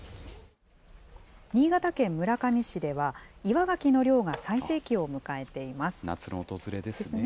新潟県村上市では、岩ガキの漁が最盛期を迎えています。ですね。